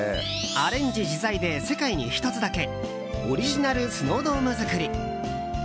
アレンジ自在で世界に１つだけオリジナルスノードーム作り。